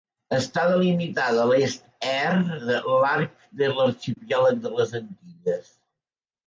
Està delimitada a l'est er l'arc de l'arxipèlag de les Antilles.